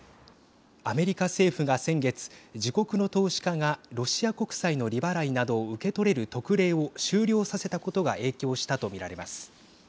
アメリカ政府が先月自国の投資家がロシア国債の利払いなどを受け取れる特例を終了させたことが影響したと見られます。